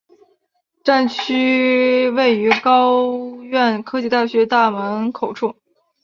站区位于高苑科技大学大门口处。